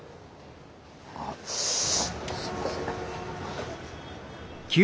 あっすいません。